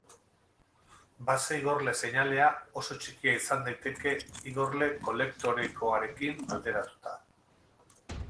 Base-igorle seinalea oso txikia izan daiteke igorle-kolektorekoarekin alderatuta.